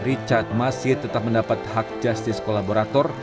richard masih tetap mendapat hak justice kolaborator